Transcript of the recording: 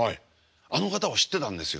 あの方を知ってたんですよ。